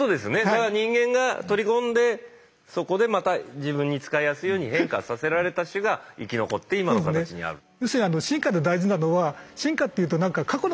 だから人間が取り込んでそこでまた自分に使いやすいように変化させられた種が生き残って今の形にあると。